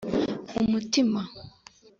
umutima